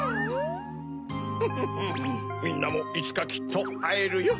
フフフみんなもいつかきっとあえるよ。